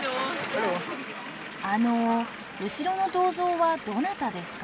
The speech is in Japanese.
あの後ろの銅像はどなたですか？